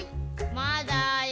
まだよ。